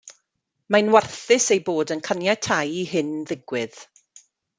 Mae'n warthus eu bod yn caniatáu i hyn ddigwydd.